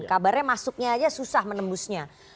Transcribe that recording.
kabarnya masuknya aja susah menembusnya